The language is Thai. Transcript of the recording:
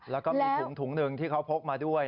แล้วก็มีถุงหนึ่งที่เขาพกมาด้วย